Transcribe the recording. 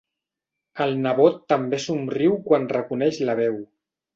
El nebot també somriu quan reconeix la veu.